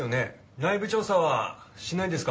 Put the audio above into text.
内部調査はしないんですか？